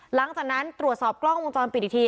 หลังจากนั้นตรวจสอบกล้องวงจรปิดอีกที